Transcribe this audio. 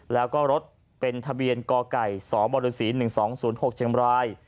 แล้วก็รถเป็นทะเบียนกไก่สบศ๑๒๐๖เชียงบราย